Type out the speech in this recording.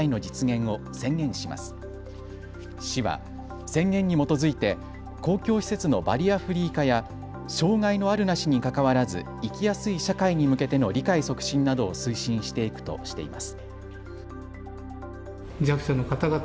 市は、宣言に基づいて公共施設のバリアフリー化や障害のあるなしにかかわらず生きやすい社会に向けての理解促進などを推進していくとしています。